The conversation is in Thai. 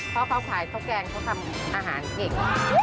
เพราะเขาขายข้าวแกงเขาทำอาหารเก่ง